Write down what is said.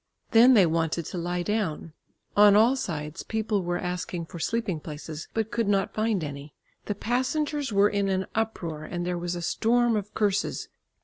Then they wanted to lie down. On all sides people were asking for sleeping places, but could not find any. The passengers were in an uproar and there was a storm of curses.